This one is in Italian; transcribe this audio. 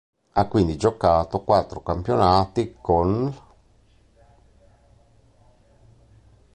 Ha quindi giocato quattro campionati con l'.